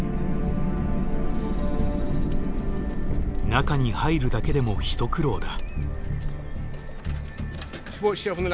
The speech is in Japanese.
中に入るだけでも一苦労だ。